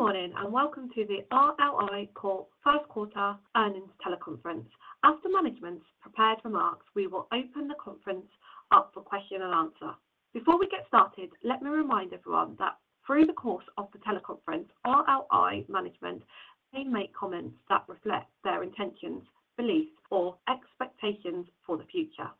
Good morning and welcome to the RLI Corp. first quarter earnings teleconference. After management's prepared remarks, we will open the conference up for question and answer. Before we get started, let me remind everyone that through the course of the teleconference, RLI management may make comments that reflect their intentions, beliefs, or expectations for the future.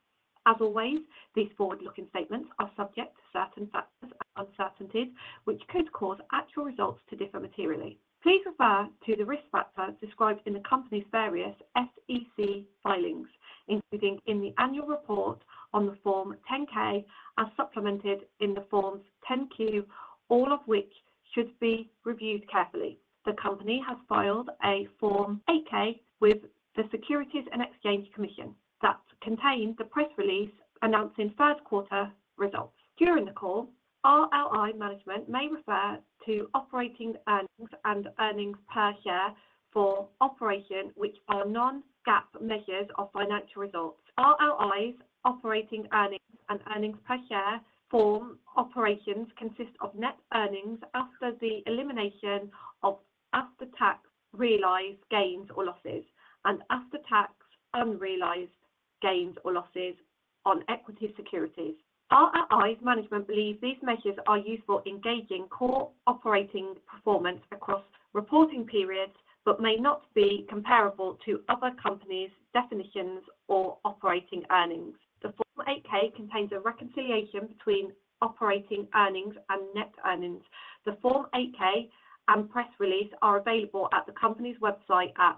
As always, these forward-looking statements are subject to certain factors and uncertainties which could cause actual results to differ materially. Please refer to the risk factors described in the company's various SEC filings, including in the annual report on the Form 10-K as supplemented in the Forms 10-Q, all of which should be reviewed carefully. The company has filed a Form 8-K with the Securities and Exchange Commission that contained the press release announcing first quarter results. During the call, RLI management may refer to operating earnings and earnings per share for operations which are non-GAAP measures of financial results. RLI's operating earnings and earnings per share for operations consist of net earnings after the elimination of after-tax realized gains or losses and after-tax unrealized gains or losses on equity securities. RLI's management believes these measures are useful for gauging core operating performance across reporting periods but may not be comparable to other companies' definitions of operating earnings. The Form 8-K contains a reconciliation between operating earnings and net earnings. The Form 8-K and press release are available at the company's website at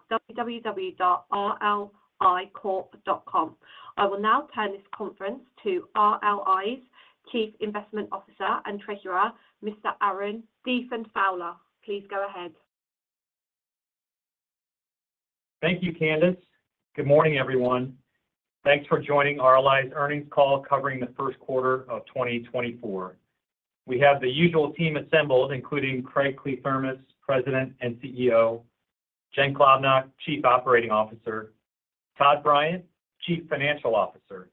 www.rlicorp.com. I will now turn the conference over to RLI's Chief Investment Officer and Treasurer, Mr. Aaron Diefenthaler. Please go ahead. Thank you, Candace. Good morning, everyone. Thanks for joining RLI's earnings call covering the first quarter of 2024. We have the usual team assembled, including Craig Kliethermes, President and CEO; Jen Klobnak, Chief Operating Officer; Todd Bryant, Chief Financial Officer.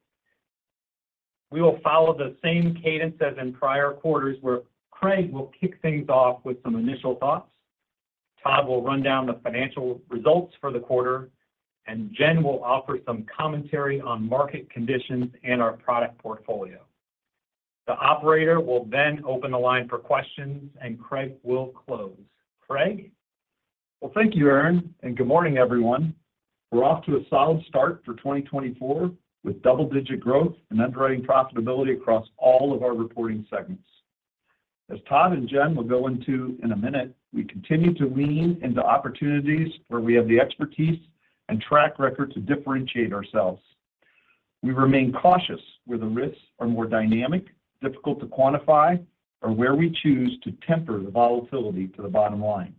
We will follow the same cadence as in prior quarters where Craig will kick things off with some initial thoughts, Todd will run down the financial results for the quarter, and Jen will offer some commentary on market conditions and our product portfolio. The operator will then open the line for questions, and Craig will close. Craig? Well, thank you, Aaron, and good morning, everyone. We're off to a solid start for 2024 with double-digit growth and underwriting profitability across all of our reporting segments. As Todd and Jen will go into in a minute, we continue to lean into opportunities where we have the expertise and track record to differentiate ourselves. We remain cautious where the risks are more dynamic, difficult to quantify, or where we choose to temper the volatility to the bottom line.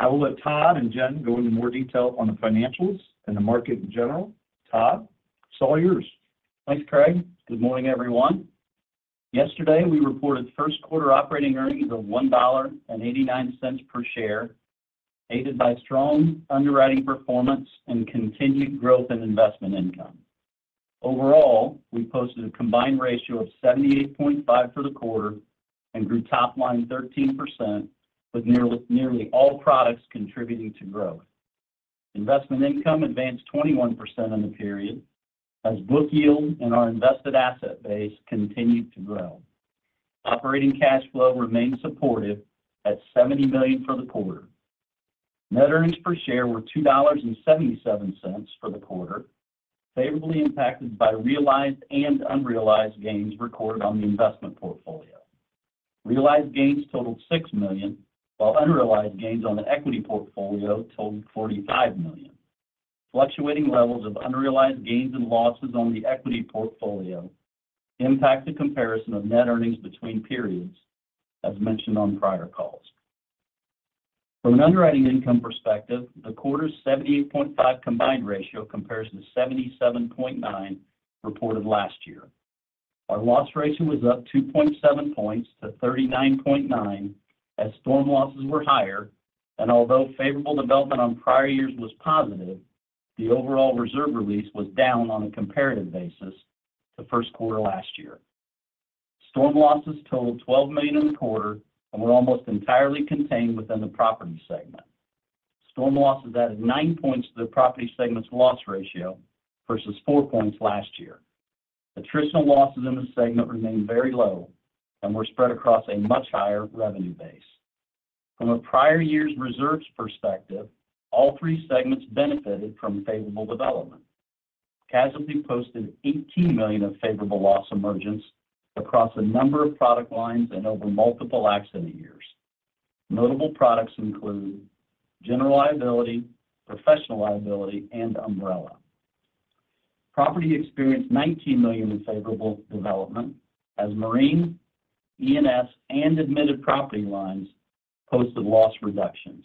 I will let Todd and Jen go into more detail on the financials and the market in general. Todd, it's all yours. Thanks, Craig. Good morning, everyone. Yesterday, we reported first quarter operating earnings of $1.89 per share, aided by strong underwriting performance and continued growth in investment income. Overall, we posted a combined ratio of 78.5 for the quarter and grew top-line 13%, with nearly all products contributing to growth. Investment income advanced 21% in the period as book yield and our invested asset base continued to grow. Operating cash flow remained supportive at $70 million for the quarter. Net earnings per share were $2.77 for the quarter, favorably impacted by realized and unrealized gains recorded on the investment portfolio. Realized gains totaled $6 million, while unrealized gains on the equity portfolio totaled $45 million. Fluctuating levels of unrealized gains and losses on the equity portfolio impact the comparison of net earnings between periods, as mentioned on prior calls. From an underwriting income perspective, the quarter's 78.5 combined ratio compares to 77.9 reported last year. Our loss ratio was up 2.7 points to 39.9 as storm losses were higher, and although favorable development on prior years was positive, the overall reserve release was down on a comparative basis to first quarter last year. Storm losses totaled $12 million in the quarter and were almost entirely contained within the property segment. Storm losses added nine points to the property segment's loss ratio versus four points last year. Attritional losses in this segment remained very low and were spread across a much higher revenue base. From a prior year's reserves perspective, all three segments benefited from favorable development. Casualty posted $18 million of favorable loss emergence across a number of product lines and over multiple accident years. Notable products include general liability, professional liability, and umbrella. Property experienced $19 million in favorable development as Marine, E&S, and admitted property lines posted loss reductions.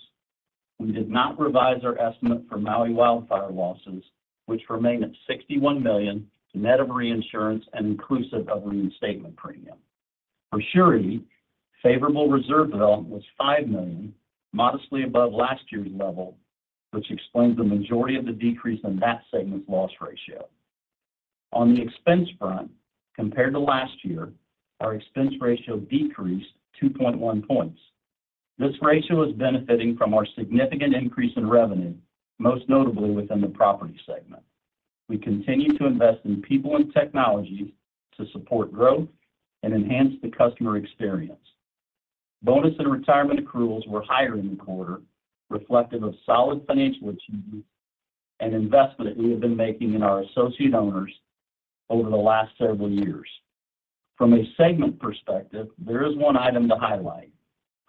We did not revise our estimate for Maui wildfire losses, which remain at $61 million net of reinsurance and inclusive of reinstatement premium. For Surety, favorable reserve development was $5 million, modestly above last year's level, which explains the majority of the decrease in that segment's loss ratio. On the expense front, compared to last year, our expense ratio decreased 2.1 points. This ratio is benefiting from our significant increase in revenue, most notably within the Property segment. We continue to invest in people and technologies to support growth and enhance the customer experience. Bonus and retirement accruals were higher in the quarter, reflective of solid financial achievements and investment that we have been making in our associate owners over the last several years. From a segment perspective, there is one item to highlight.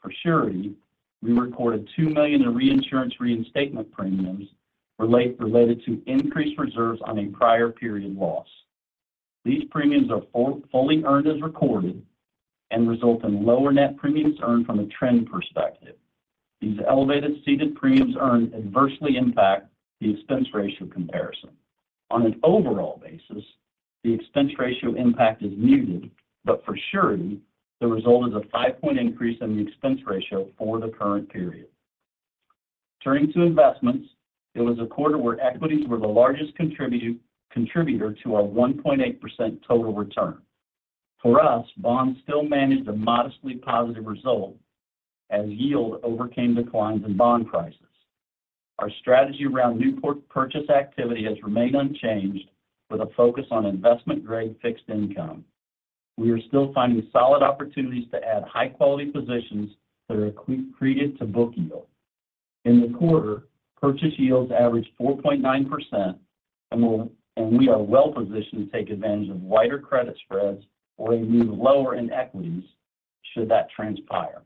For Surety, we recorded $2 million in reinsurance reinstatement premiums related to increased reserves on a prior period loss. These premiums are fully earned as recorded and result in lower net premiums earned from a trend perspective. These elevated ceded premiums earned adversely impact the expense ratio comparison. On an overall basis, the expense ratio impact is muted, but for Surety, the result is a five point increase in the expense ratio for the current period. Turning to investments, it was a quarter where equities were the largest contributor to our 1.8% total return. For us, bonds still managed a modestly positive result as yield overcame declines in bond prices. Our strategy around new purchase activity has remained unchanged, with a focus on investment-grade fixed income. We are still finding solid opportunities to add high-quality positions that are credited to book yield. In the quarter, purchase yields averaged 4.9%, and we are well positioned to take advantage of wider credit spreads or a move lower in equities should that transpire.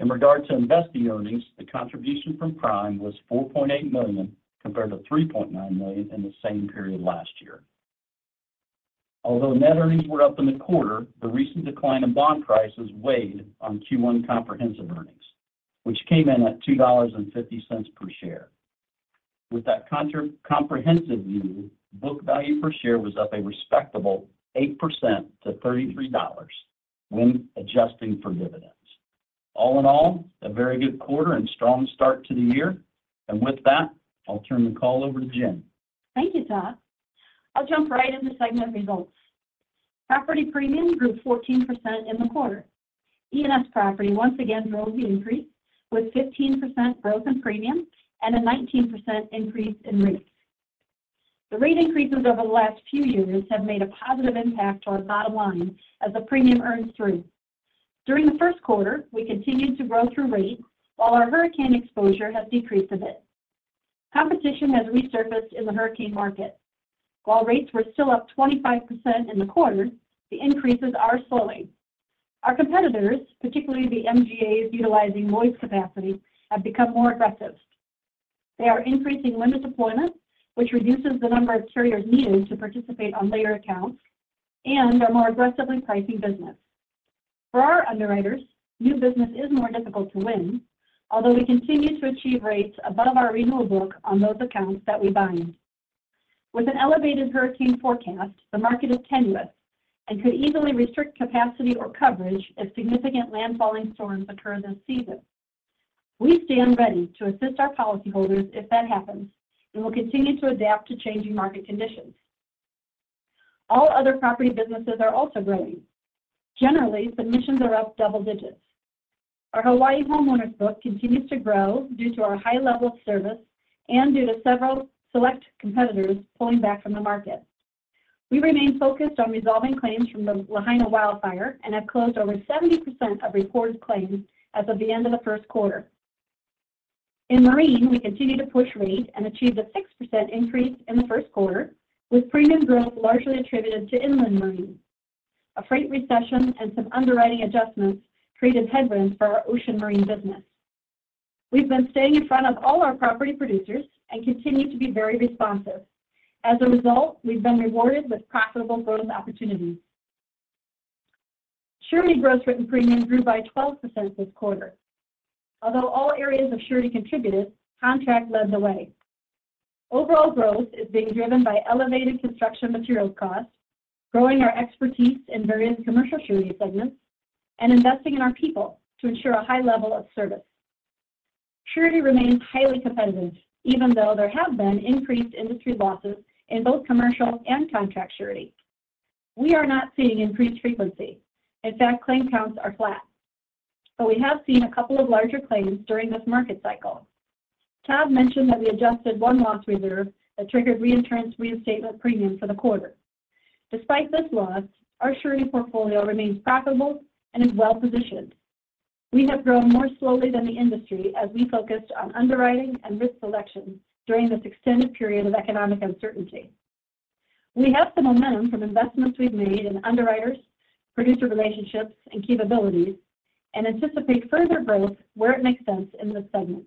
In regard to investing earnings, the contribution from Prime was $4.8 million compared to $3.9 million in the same period last year. Although net earnings were up in the quarter, the recent decline in bond prices weighed on Q1 comprehensive earnings, which came in at $2.50 per share. With that comprehensive view, book value per share was up a respectable 8% to $33 when adjusting for dividends. All in all, a very good quarter and strong start to the year. And with that, I'll turn the call over to Jen. Thank you, Todd. I'll jump right into the segment results. Property premium grew 14% in the quarter. E&S property once again drove the increase with 15% growth in premium and a 19% increase in rates. The rate increases over the last few years have made a positive impact to our bottom line as the premium earns through. During the first quarter, we continued to grow through rates while our hurricane exposure has decreased a bit. Competition has resurfaced in the hurricane market. While rates were still up 25% in the quarter, the increases are slowing. Our competitors, particularly the MGAs utilizing Lloyd's capacity, have become more aggressive. They are increasing limited deployment, which reduces the number of carriers needed to participate on layered accounts, and are more aggressively pricing business. For our underwriters, new business is more difficult to win, although we continue to achieve rates above our renewal book on those accounts that we bind. With an elevated hurricane forecast, the market is tenuous and could easily restrict capacity or coverage if significant landfalling storms occur this season. We stand ready to assist our policyholders if that happens, and we'll continue to adapt to changing market conditions. All other property businesses are also growing. Generally, submissions are up double digits. Our Hawaii homeowners book continues to grow due to our high level of service and due to several select competitors pulling back from the market. We remain focused on resolving claims from the Lahaina wildfire and have closed over 70% of reported claims as of the end of the first quarter. In Marine, we continue to push rate and achieved a 6% increase in the first quarter, with premium growth largely attributed to Inland Marine. A freight recession and some underwriting adjustments created headwinds for our Ocean Marine business. We've been staying in front of all our property producers and continue to be very responsive. As a result, we've been rewarded with profitable growth opportunities. Surety growth written premium grew by 12% this quarter. Although all areas of surety contributed, Contract led the way. Overall growth is being driven by elevated construction materials costs, growing our expertise in various Commercial Surety segments, and investing in our people to ensure a high level of service. Surety remains highly competitive, even though there have been increased industry losses in both commercial and Contract Surety. We are not seeing increased frequency. In fact, claim counts are flat. We have seen a couple of larger claims during this market cycle. Todd mentioned that we adjusted one loss reserve that triggered reinsurance reinstatement premium for the quarter. Despite this loss, our Surety portfolio remains profitable and is well positioned. We have grown more slowly than the industry as we focused on underwriting and risk selection during this extended period of economic uncertainty. We have some momentum from investments we've made in underwriters, producer relationships, and capabilities, and anticipate further growth where it makes sense in this segment.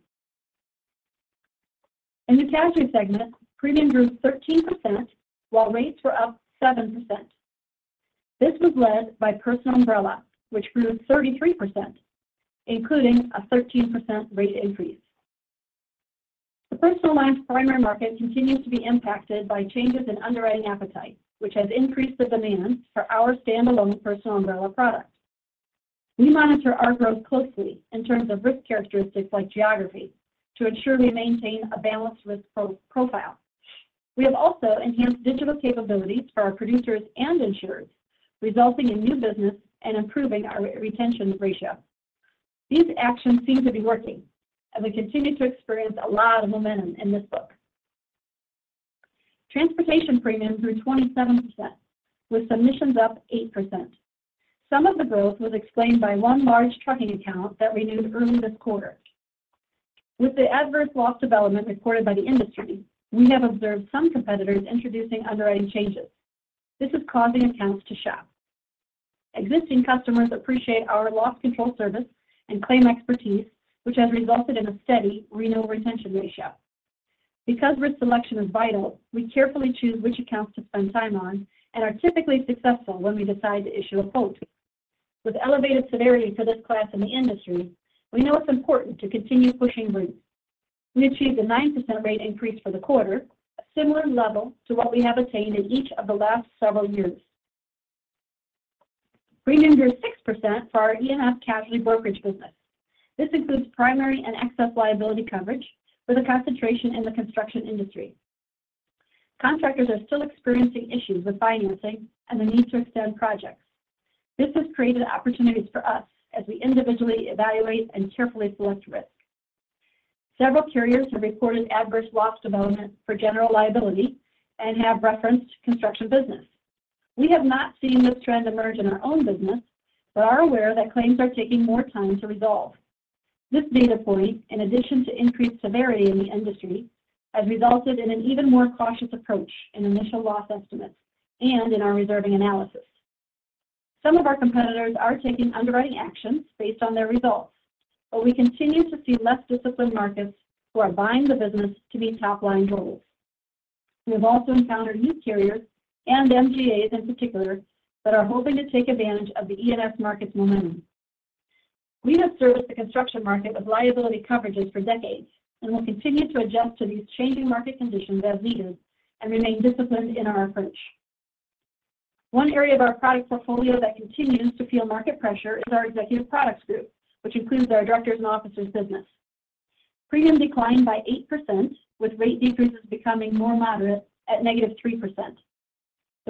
In the Casualty segment, premium grew 13% while rates were up 7%. This was led by Personal Umbrella, which grew 33%, including a 13% rate increase. The personal lines primary market continues to be impacted by changes in underwriting appetite, which has increased the demand for our standalone Personal Umbrella product. We monitor our growth closely in terms of risk characteristics like geography to ensure we maintain a balanced risk profile. We have also enhanced digital capabilities for our producers and insureds, resulting in new business and improving our retention ratio. These actions seem to be working, and we continue to experience a lot of momentum in this book. Transportation premium grew 27%, with submissions up 8%. Some of the growth was explained by one large trucking account that renewed early this quarter. With the adverse loss development reported by the industry, we have observed some competitors introducing underwriting changes. This is causing accounts to shop. Existing customers appreciate our loss control service and claim expertise, which has resulted in a steady renewal retention ratio. Because risk selection is vital, we carefully choose which accounts to spend time on and are typically successful when we decide to issue a quote. With elevated severity for this class in the industry, we know it's important to continue pushing rates. We achieved a 9% rate increase for the quarter, a similar level to what we have attained in each of the last several years. Premium grew 6% for our E&S casualty brokerage business. This includes primary and excess liability coverage with a concentration in the construction industry. Contractors are still experiencing issues with financing and the need to extend projects. This has created opportunities for us as we individually evaluate and carefully select risk. Several carriers have reported adverse loss development for general liability and have referenced construction business. We have not seen this trend emerge in our own business, but are aware that claims are taking more time to resolve. This data point, in addition to increased severity in the industry, has resulted in an even more cautious approach in initial loss estimates and in our reserving analysis. Some of our competitors are taking underwriting actions based on their results, but we continue to see less disciplined markets who are buying the business to meet top-line goals. We have also encountered new carriers and MGAs in particular that are hoping to take advantage of the E&S market's momentum. We have serviced the construction market with liability coverages for decades and will continue to adjust to these changing market conditions as needed and remain disciplined in our approach. One area of our product portfolio that continues to feel market pressure is our Executive Products Group, which includes our Directors and Officers' business. Premium declined by 8%, with rate decreases becoming more moderate at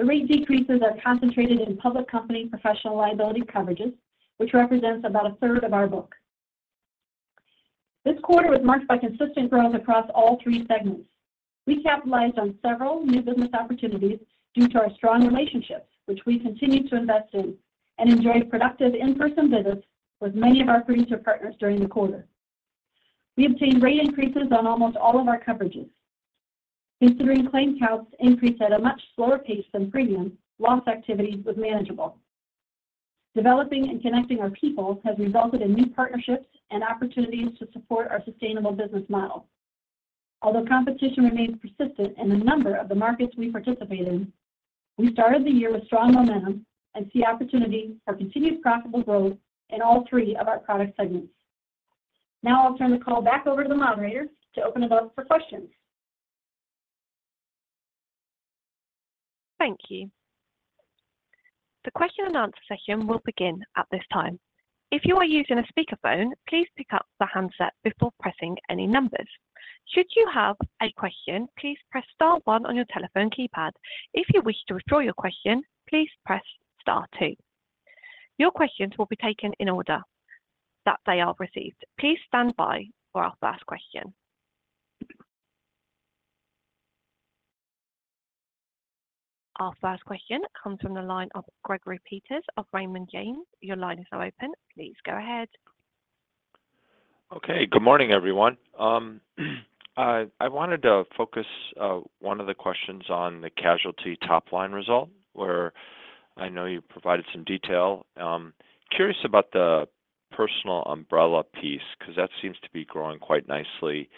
-3%. The rate decreases are concentrated in public company professional liability coverages, which represents about a third of our book. This quarter was marked by consistent growth across all three segments. We capitalized on several new business opportunities due to our strong relationships, which we continue to invest in, and enjoyed productive in-person visits with many of our producer partners during the quarter. We obtained rate increases on almost all of our coverages. Considering claim counts increased at a much slower pace than premium, loss activities were manageable. Developing and connecting our people has resulted in new partnerships and opportunities to support our sustainable business model. Although competition remains persistent in a number of the markets we participate in, we started the year with strong momentum and see opportunity for continued profitable growth in all three of our product segments. Now I'll turn the call back over to the moderator to open it up for questions. Thank you. The question and answer session will begin at this time. If you are using a speakerphone, please pick up the handset before pressing any numbers. Should you have a question, please press star one on your telephone keypad. If you wish to withdraw your question, please press star two. Your questions will be taken in order that they are received. Please stand by for our first question. Our first question comes from the line of Gregory Peters of Raymond James. Your line is now open. Please go ahead. Okay. Good morning, everyone. I wanted to focus one of the questions on the casualty top-line result, where I know you provided some detail. Curious about the personal umbrella piece because that seems to be growing quite nicely.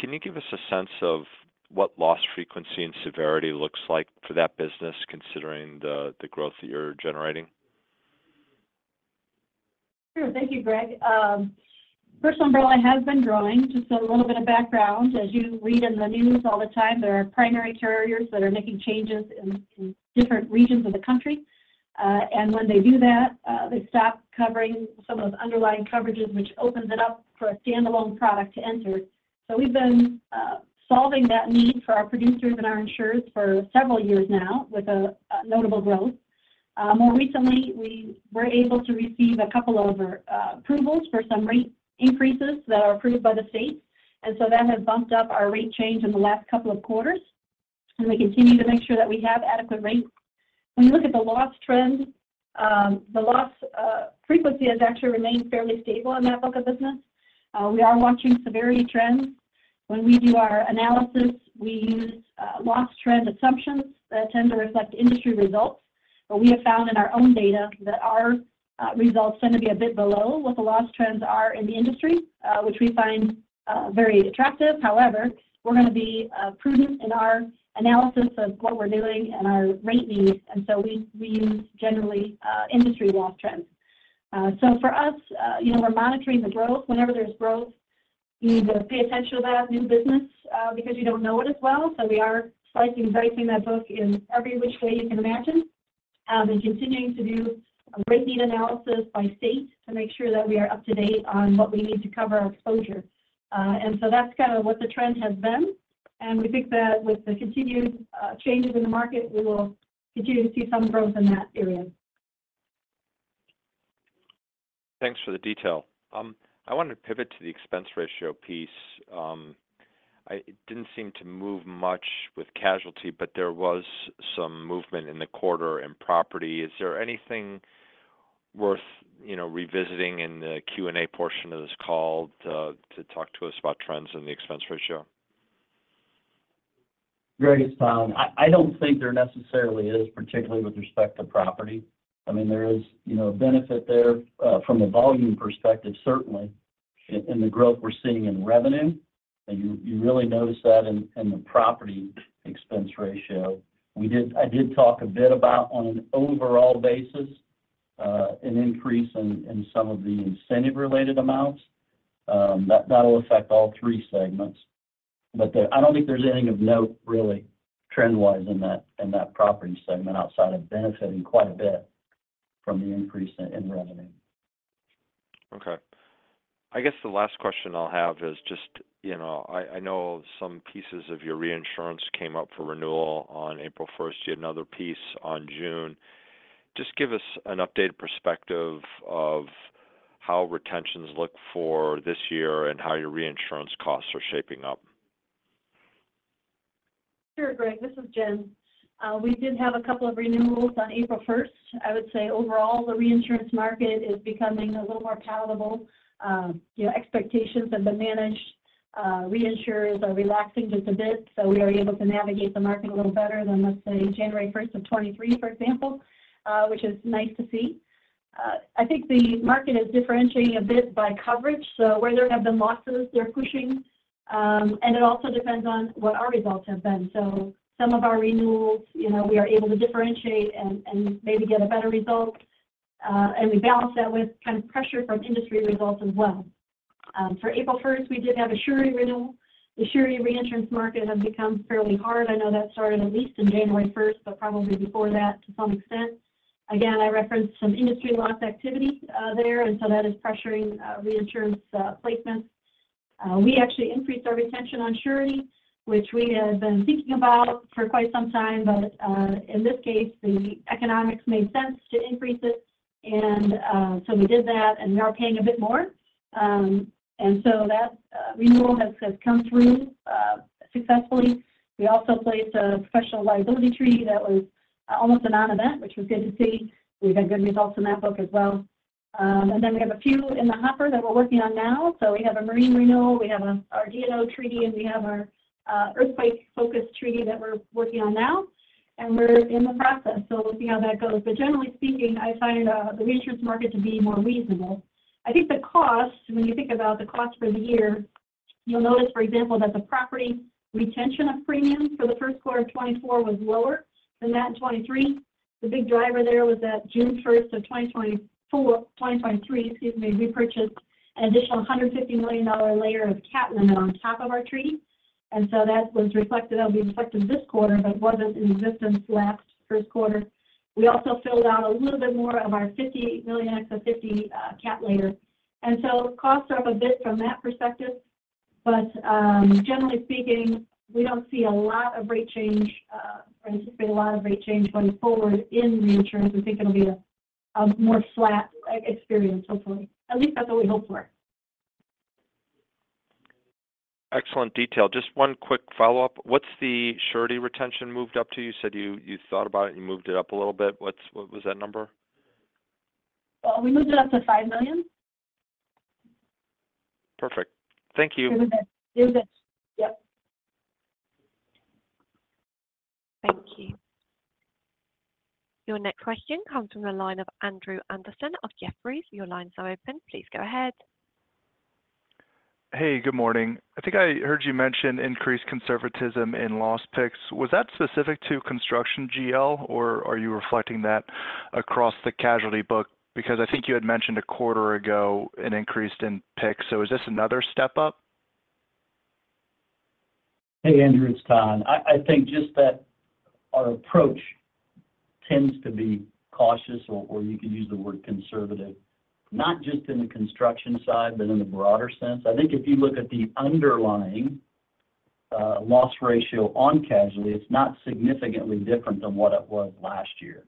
Can you give us a sense of what loss frequency and severity looks like for that business considering the growth that you're generating? Sure. Thank you, Greg. Personal Umbrella has been growing. Just a little bit of background. As you read in the news all the time, there are primary carriers that are making changes in different regions of the country. When they do that, they stop covering some of those underlying coverages, which opens it up for a standalone product to enter. We've been solving that need for our producers and our insureds for several years now with notable growth. More recently, we were able to receive a couple of approvals for some rate increases that are approved by the states. That has bumped up our rate change in the last couple of quarters. We continue to make sure that we have adequate rates. When you look at the loss trend, the loss frequency has actually remained fairly stable in that book of business. We are watching severity trends. When we do our analysis, we use loss trend assumptions that tend to reflect industry results. We have found in our own data that our results tend to be a bit below what the loss trends are in the industry, which we find very attractive. However, we're going to be prudent in our analysis of what we're doing and our rate needs. We use generally industry loss trends. For us, we're monitoring the growth. Whenever there's growth, you need to pay attention to that new business because you don't know it as well. We are slicing and dicing that book in every which way you can imagine and continuing to do a rate need analysis by state to make sure that we are up to date on what we need to cover our exposure. And so that's kind of what the trend has been. And we think that with the continued changes in the market, we will continue to see some growth in that area. Thanks for the detail. I wanted to pivot to the expense ratio piece. It didn't seem to move much with casualty, but there was some movement in the quarter in property. Is there anything worth revisiting in the Q&A portion of this call to talk to us about trends in the expense ratio? Greg is Todd. I don't think there necessarily is, particularly with respect to property. I mean, there is a benefit there from a volume perspective, certainly, in the growth we're seeing in revenue. You really notice that in the property expense ratio. I did talk a bit about, on an overall basis, an increase in some of the incentive-related amounts. That'll affect all three segments. I don't think there's anything of note, really, trend-wise in that property segment outside of benefiting quite a bit from the increase in revenue. Okay. I guess the last question I'll have is just I know some pieces of your reinsurance came up for renewal on April 1st. You had another piece on June. Just give us an updated perspective of how retentions look for this year and how your reinsurance costs are shaping up. Sure, Greg. This is Jen. We did have a couple of renewals on April 1st. I would say overall, the reinsurance market is becoming a little more palatable. Expectations have been managed. Reinsurers are relaxing just a bit. So we are able to navigate the market a little better than, let's say, January 1st of 2023, for example, which is nice to see. I think the market is differentiating a bit by coverage. So where there have been losses, they're pushing. And it also depends on what our results have been. So some of our renewals, we are able to differentiate and maybe get a better result. And we balance that with kind of pressure from industry results as well. For April 1st, we did have a surety renewal. The surety reinsurance market has become fairly hard. I know that started at least on January 1st, but probably before that to some extent. Again, I referenced some industry loss activity there. And so that is pressuring reinsurance placements. We actually increased our retention on surety, which we had been thinking about for quite some time. But in this case, the economics made sense to increase it. And so we did that. And we are paying a bit more. And so that renewal has come through successfully. We also placed a professional liability treaty that was almost a non-event, which was good to see. We've had good results in that book as well. And then we have a few in the hopper that we're working on now. So we have a marine renewal. We have our D&O treaty. And we have our earthquake-focused treaty that we're working on now. And we're in the process. So we'll see how that goes. But generally speaking, I find the reinsurance market to be more reasonable. I think the cost, when you think about the cost for the year, you'll notice, for example, that the property retention of premium for the first quarter of 2024 was lower than that in 2023. The big driver there was that June 1st of 2023, excuse me, we purchased an additional $150 million layer of cat limit on top of our treaty. And so that was reflected that'll be reflected this quarter, but wasn't in existence last first quarter. We also filled out a little bit more of our $50 million extra $50 cat layer. And so costs are up a bit from that perspective. But generally speaking, we don't see a lot of rate change or anticipate a lot of rate change going forward in reinsurance. We think it'll be a more flat experience, hopefully. At least that's what we hope for. Excellent detail. Just one quick follow-up. What's the surety retention moved up to? You said you thought about it. You moved it up a little bit. What was that number? We moved it up to $5 million. Perfect. Thank you. It was at yep. Thank you. Your next question comes from the line of Andrew Andersen of Jefferies. Your lines are open. Please go ahead. Hey. Good morning. I think I heard you mention increased conservatism in loss picks. Was that specific to construction GL, or are you reflecting that across the casualty book? Because I think you had mentioned a quarter ago an increase in picks. So is this another step up? Hey, Andrew. It's Todd. I think just that our approach tends to be cautious, or you could use the word conservative, not just in the construction side, but in the broader sense. I think if you look at the underlying loss ratio on casualty, it's not significantly different than what it was last year.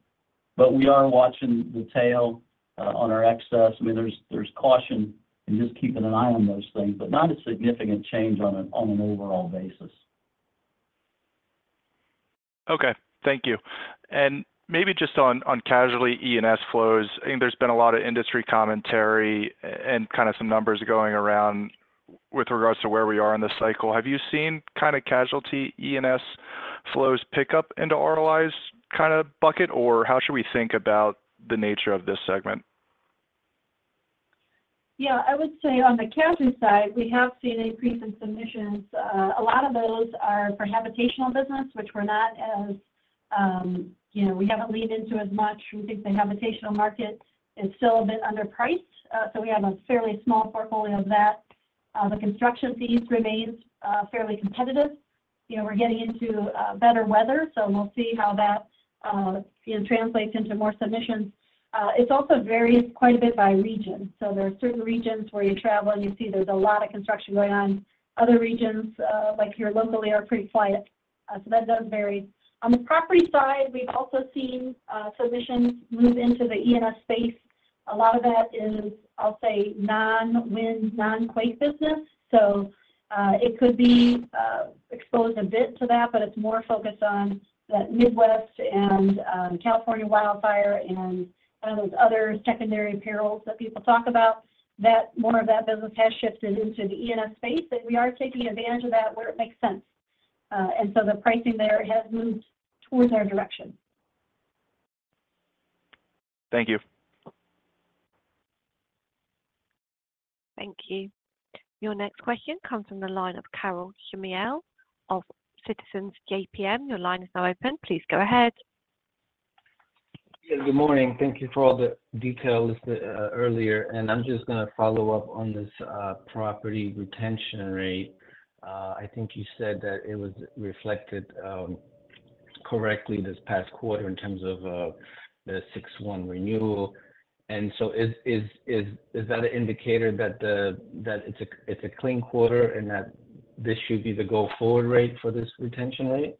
But we are watching the tail on our excess. I mean, there's caution in just keeping an eye on those things, but not a significant change on an overall basis. Okay. Thank you. Maybe just on casualty E&S flows, I think there's been a lot of industry commentary and kind of some numbers going around with regards to where we are in the cycle. Have you seen kind of casualty E&S flows pick up into RLI's kind of bucket? Or how should we think about the nature of this segment? Yeah. I would say on the casualty side, we have seen an increase in submissions. A lot of those are for habitational business, which we're not as we haven't leaned into as much. We think the habitational market is still a bit underpriced. So we have a fairly small portfolio of that. The construction fees remain fairly competitive. We're getting into better weather. So we'll see how that translates into more submissions. It also varies quite a bit by region. So there are certain regions where you travel, and you see there's a lot of construction going on. Other regions, like here locally, are pretty quiet. So that does vary. On the property side, we've also seen submissions move into the E&S space. A lot of that is, I'll say, non-wind, non-quake business. So it could be exposed a bit to that, but it's more focused on that Midwest and California wildfire and kind of those other secondary perils that people talk about. More of that business has shifted into the E&S space. And we are taking advantage of that where it makes sense. And so the pricing there has moved towards our direction. Thank you. Thank you. Your next question comes from the line of Karol Chmiel of Citizens JMP. Your line is now open. Please go ahead. Yeah. Good morning. Thank you for all the detail earlier. I'm just going to follow up on this property retention rate. I think you said that it was reflected correctly this past quarter in terms of the 6/1 renewal. So is that an indicator that it's a clean quarter and that this should be the go-forward rate for this retention rate?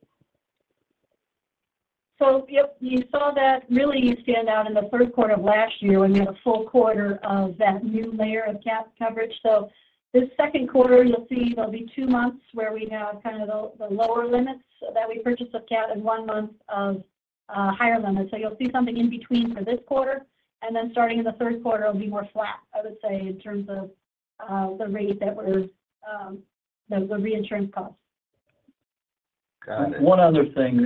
So yep. You saw that really stand out in the third quarter of last year when we had a full quarter of that new layer of cap coverage. So this second quarter, you'll see there'll be two months where we have kind of the lower limits that we purchased of cap and one month of higher limits. So you'll see something in between for this quarter. And then starting in the third quarter, it'll be more flat, I would say, in terms of the rate that we're the reinsurance costs. Got it. One other thing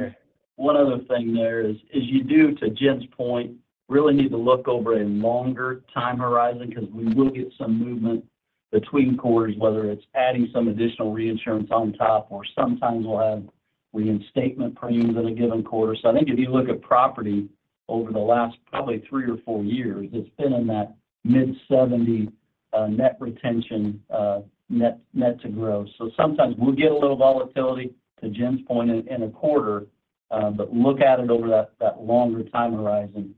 there is you do, to Jen's point, really need to look over a longer time horizon because we will get some movement between quarters, whether it's adding some additional reinsurance on top or sometimes we'll have reinstatement premiums in a given quarter. So I think if you look at property over the last probably three or four years, it's been in that mid-70 net retention, net to grow. So sometimes we'll get a little volatility, to Jen's point, in a quarter. But look at it over that longer time horizon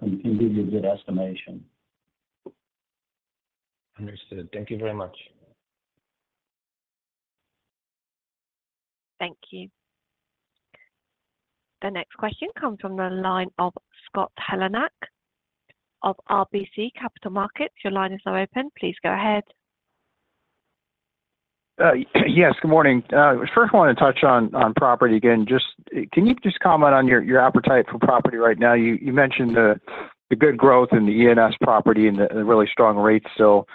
and can give you a good estimation. Understood. Thank you very much. Thank you. The next question comes from the line of Scott Heleniak of RBC Capital Markets. Your line is now open. Please go ahead. Yes. Good morning. First, I want to touch on property again. Can you just comment on your appetite for property right now? You mentioned the good growth in the E&S Property and the really strong rates still.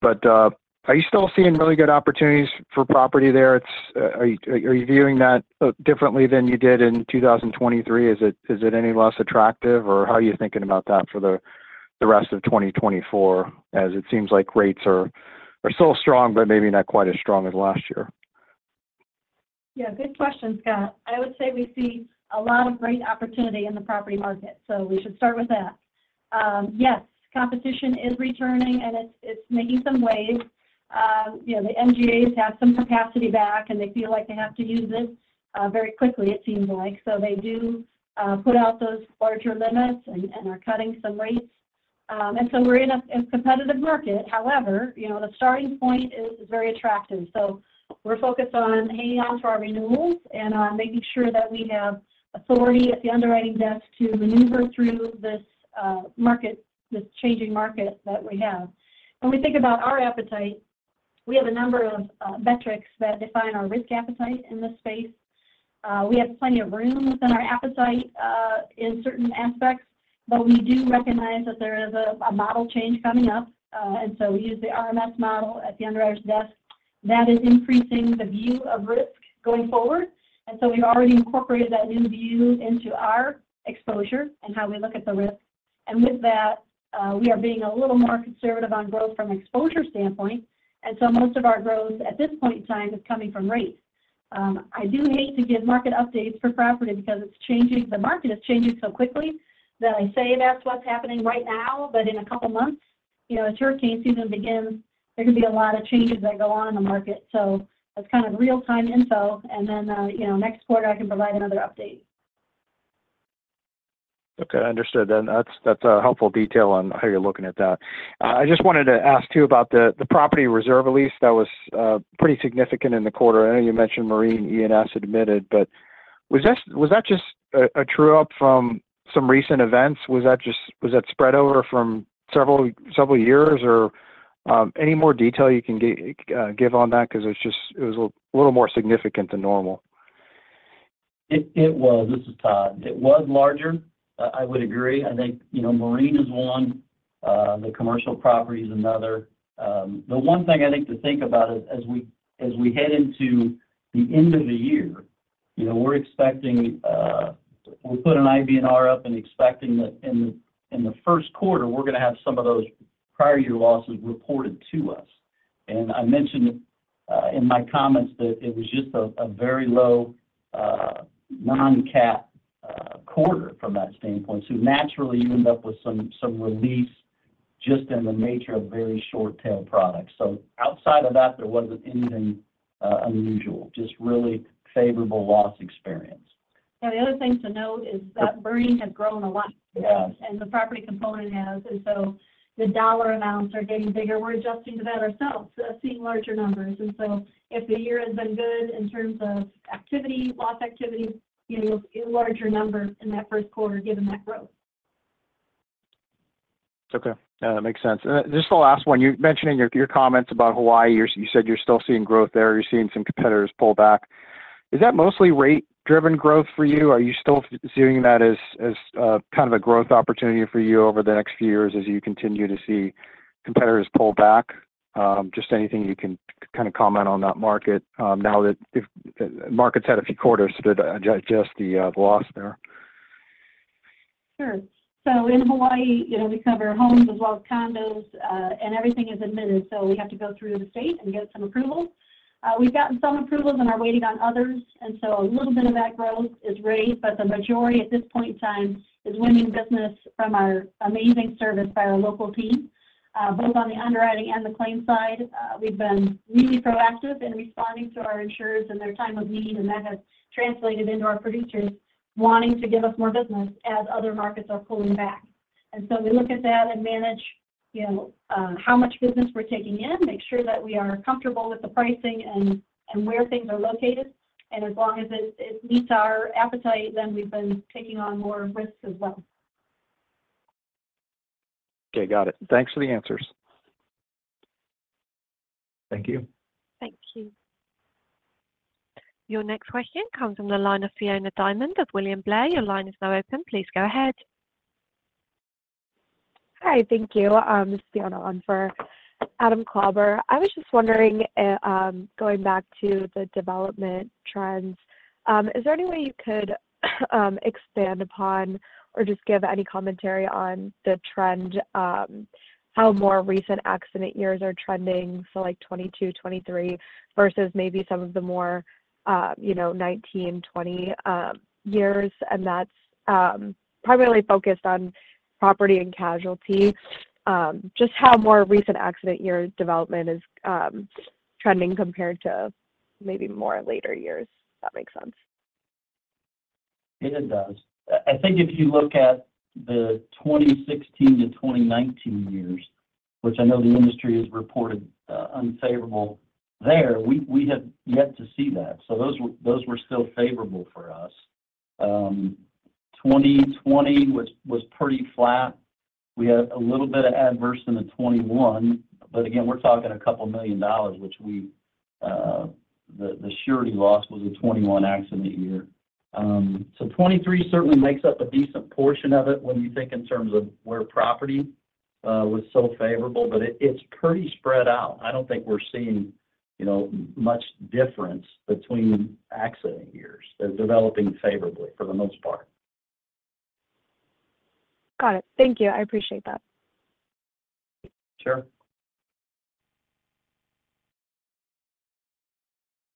But are you still seeing really good opportunities for property there? Are you viewing that differently than you did in 2023? Is it any less attractive? Or how are you thinking about that for the rest of 2024, as it seems like rates are still strong but maybe not quite as strong as last year? Yeah. Good question, Scott. I would say we see a lot of great opportunity in the property market. So we should start with that. Yes. Competition is returning, and it's making some waves. The MGAs have some capacity back, and they feel like they have to use it very quickly, it seems like. So they do put out those larger limits and are cutting some rates. And so we're in a competitive market. However, the starting point is very attractive. So we're focused on hanging on to our renewals and on making sure that we have authority at the underwriting desk to maneuver through this changing market that we have. When we think about our appetite, we have a number of metrics that define our risk appetite in this space. We have plenty of room within our appetite in certain aspects. But we do recognize that there is a model change coming up. And so we use the RMS model at the underwriters' desk. That is increasing the view of risk going forward. And so we've already incorporated that new view into our exposure and how we look at the risk. And with that, we are being a little more conservative on growth from an exposure standpoint. And so most of our growth at this point in time is coming from rates. I do hate to give market updates for property because the market is changing so quickly that I say that's what's happening right now. But in a couple of months, as hurricane season begins, there can be a lot of changes that go on in the market. So that's kind of real-time info. And then next quarter, I can provide another update. Okay. Understood. And that's a helpful detail on how you're looking at that. I just wanted to ask too about the property reserve release. That was pretty significant in the quarter. I know you mentioned marine E&S admitted. But was that just a true-up from some recent events? Was that spread over from several years? Or any more detail you can give on that because it was a little more significant than normal? It was. This is Todd. It was larger, I would agree. I think marine is one. The commercial property is another. The one thing I think to think about is as we head into the end of the year, we're expecting we'll put an IBNR up and expecting that in the first quarter, we're going to have some of those prior-year losses reported to us. And I mentioned in my comments that it was just a very low non-cat quarter from that standpoint. So naturally, you end up with some release just in the nature of very short-tail products. So outside of that, there wasn't anything unusual, just really favorable loss experience. Now, the other thing to note is that business has grown a lot. The property component has. So the dollar amounts are getting bigger. We're adjusting to that ourselves, seeing larger numbers. So if the year has been good in terms of loss activity, you'll see a larger number in that first quarter given that growth. Okay. That makes sense. And just the last one. You're mentioning your comments about Hawaii. You said you're still seeing growth there. You're seeing some competitors pull back. Is that mostly rate-driven growth for you? Are you still viewing that as kind of a growth opportunity for you over the next few years as you continue to see competitors pull back? Just anything you can kind of comment on that market now that the market's had a few quarters to adjust the loss there. Sure. So in Hawaii, we cover homes as well as condos. Everything is admitted. So we have to go through the state and get some approvals. We've gotten some approvals and are waiting on others. A little bit of that growth is rates. But the majority at this point in time is winning business from our amazing service by our local team, both on the underwriting and the claims side. We've been really proactive in responding to our insureds in their time of need. That has translated into our producers wanting to give us more business as other markets are pulling back. So we look at that and manage how much business we're taking in, make sure that we are comfortable with the pricing and where things are located. As long as it meets our appetite, then we've been taking on more risks as well. Okay. Got it. Thanks for the answers. Thank you. Thank you. Your next question comes from the line of Fiona Diamond of William Blair. Your line is now open. Please go ahead. Hi. Thank you. This is Fiona Diamond for Adam Klauber. I was just wondering, going back to the development trends, is there any way you could expand upon or just give any commentary on the trend, how more recent accident years are trending, so like 2022, 2023, versus maybe some of the more 2019, 2020 years? And that's primarily focused on property and casualty. Just how more recent accident year development is trending compared to maybe more later years, if that makes sense. It does. I think if you look at the 2016-2019 years, which I know the industry has reported unfavorable there, we have yet to see that. So those were still favorable for us. 2020 was pretty flat. We had a little bit of adverse in the 2021. But again, we're talking $2 million, which the surety loss was a 2021 accident year. So 2023 certainly makes up a decent portion of it when you think in terms of where property was so favorable. But it's pretty spread out. I don't think we're seeing much difference between accident years. They're developing favorably for the most part. Got it. Thank you. I appreciate that. Sure.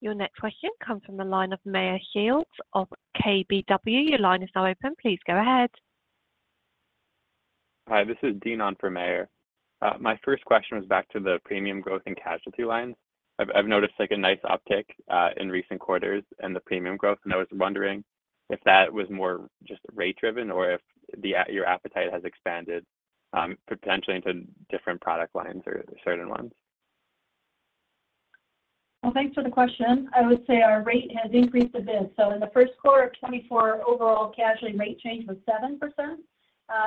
Your next question comes from the line of Meyer Shields of KBW. Your line is now open. Please go ahead. Hi. This is Dean for Meyer. My first question was back to the premium growth and casualty lines. I've noticed a nice uptick in recent quarters in the premium growth. I was wondering if that was more just rate-driven or if your appetite has expanded potentially into different product lines or certain ones. Well, thanks for the question. I would say our rate has increased a bit. So in the first quarter of 2024, overall casualty rate change was 7%.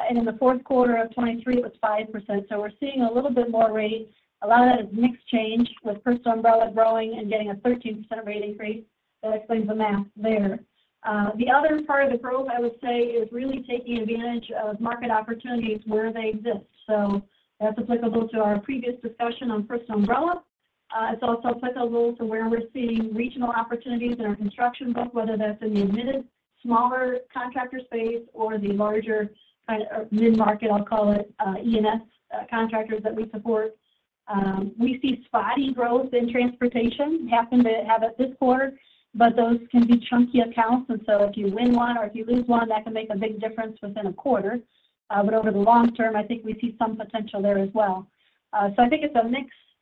And in the fourth quarter of 2023, it was 5%. So we're seeing a little bit more rate. A lot of that is mixed change with personal umbrella growing and getting a 13% rate increase. That explains the math there. The other part of the growth, I would say, is really taking advantage of market opportunities where they exist. So that's applicable to our previous discussion on personal umbrella. It's also applicable to where we're seeing regional opportunities in our construction book, whether that's in the admitted smaller contractor space or the larger kind of mid-market, I'll call it, E&S contractors that we support. We see spotty growth in transportation. Happened to have it this quarter. But those can be chunky accounts. And so if you win one or if you lose one, that can make a big difference within a quarter. But over the long term, I think we see some potential there as well. So I think it's a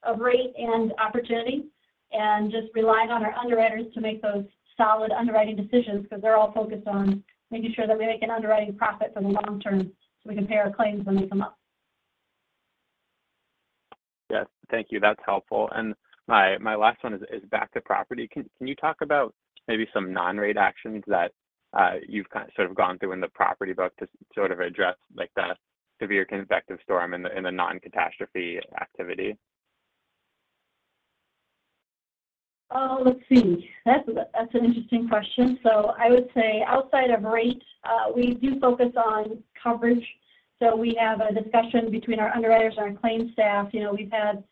mix of rate and opportunity and just relying on our underwriters to make those solid underwriting decisions because they're all focused on making sure that we make an underwriting profit for the long term so we can pay our claims when they come up. Yes. Thank you. That's helpful. And my last one is back to property. Can you talk about maybe some non-rate actions that you've sort of gone through in the property book to sort of address the severe convective storm in the non-catastrophe activity? Oh, let's see. That's an interesting question. So I would say outside of rate, we do focus on coverage. So we have a discussion between our underwriters and our claim staff. We've had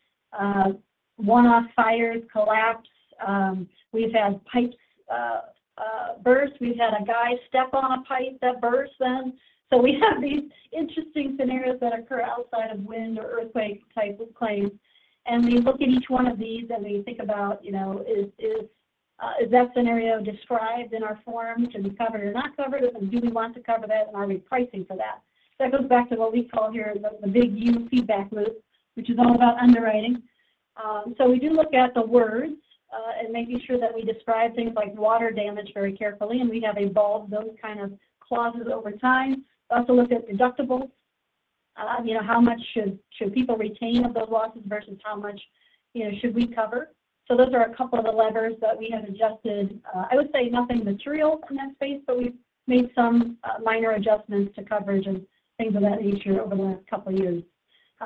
one-off fires, collapse. We've had pipes burst. We've had a guy step on a pipe that burst then. So we have these interesting scenarios that occur outside of wind or earthquake-type claims. And we look at each one of these, and we think about, "Is that scenario described in our form to be covered or not covered? And do we want to cover that? And are we pricing for that?" So that goes back to what we call here the Big U feedback loop, which is all about underwriting. So we do look at the words and making sure that we describe things like water damage very carefully. We have evolved those kind of clauses over time. We also look at deductibles. How much should people retain of those losses versus how much should we cover? Those are a couple of the levers that we have adjusted. I would say nothing material in that space, but we've made some minor adjustments to coverage and things of that nature over the last couple of years.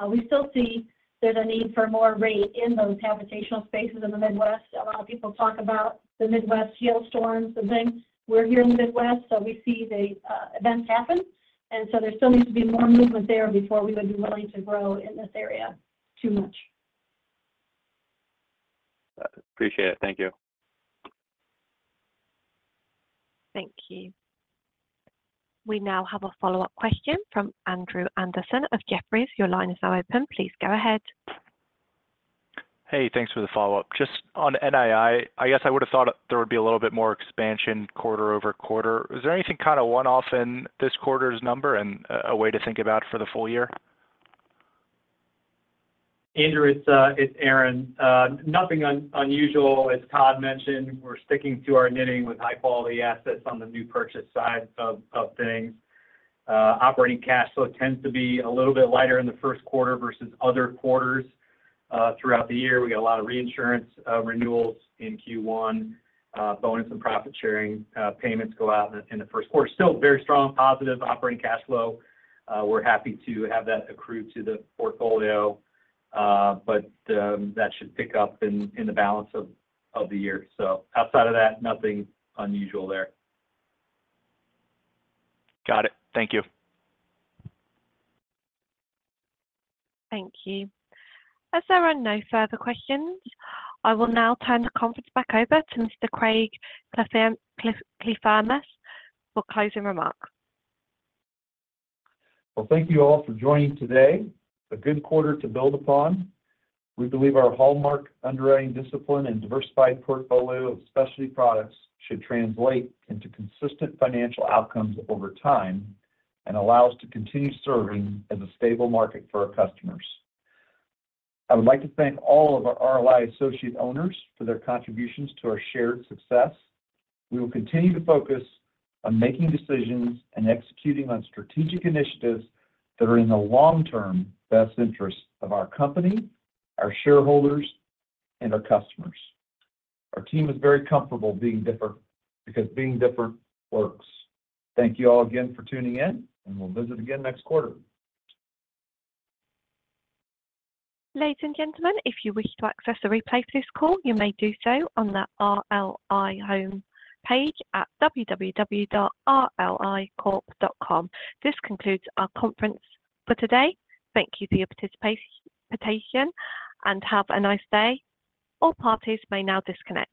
We still see there's a need for more rate in those habitational spaces in the Midwest. A lot of people talk about the Midwest hailstorms and things. We're here in the Midwest, so we see the events happen. There still needs to be more movement there before we would be willing to grow in this area too much. Appreciate it. Thank you. Thank you. We now have a follow-up question from Andrew Andersen of Jefferies. Your line is now open. Please go ahead. Hey. Thanks for the follow-up. Just on NII, I guess I would have thought there would be a little bit more expansion quarter-over-quarter. Is there anything kind of one-off in this quarter's number and a way to think about for the full year? Andrew, it's Aaron. Nothing unusual, as Todd mentioned. We're sticking to our knitting with high-quality assets on the new purchase side of things. Operating cash flow tends to be a little bit lighter in the first quarter versus other quarters throughout the year. We got a lot of reinsurance renewals in Q1. Bonus and profit-sharing payments go out in the first quarter. Still very strong, positive operating cash flow. We're happy to have that accrue to the portfolio. But that should pick up in the balance of the year. So outside of that, nothing unusual there. Got it. Thank you. Thank you. As there are no further questions, I will now turn the conference back over to Mr. Craig Kliethermes for closing remarks. Well, thank you all for joining today. A good quarter to build upon. We believe our hallmark underwriting discipline and diversified portfolio of specialty products should translate into consistent financial outcomes over time and allow us to continue serving as a stable market for our customers. I would like to thank all of our RLI associate owners for their contributions to our shared success. We will continue to focus on making decisions and executing on strategic initiatives that are in the long-term best interest of our company, our shareholders, and our customers. Our team is very comfortable being different because being different works. Thank you all again for tuning in, and we'll visit again next quarter. Ladies and gentlemen, if you wish to access a replay to this call, you may do so on the RLI home page at www.rlicorp.com. This concludes our conference for today. Thank you for your participation, and have a nice day. All parties may now disconnect.